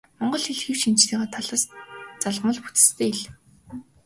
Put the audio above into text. Монгол хэл хэв шинжийнхээ талаас залгамал бүтэцтэй хэл.